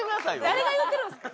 誰が言うてるんですか。